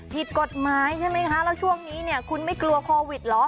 ผิดกฎหมายใช่ไหมคะแล้วช่วงนี้เนี่ยคุณไม่กลัวโควิดเหรอ